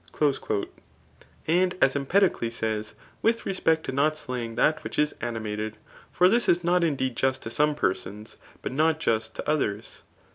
And as Empedocles says with respect to not slaying that which is animated* For this is not mdeed just to some persons, but not just to others.